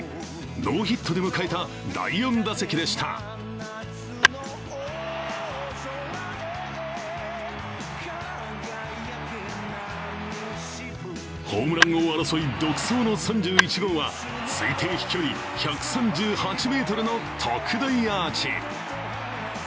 ノーヒットで迎えた第４打席でしたホームラン王争い独走の３１号は推定飛距離１３８ｍの特大アーチ。